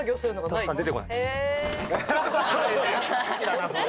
スタッフさん出てこないそうそう